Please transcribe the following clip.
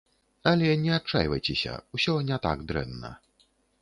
Але не адчайвайцеся, усё не так дрэнна!